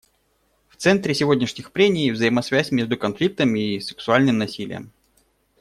В центре сегодняшних прений — взаимосвязь между конфликтами и сексуальным насилием.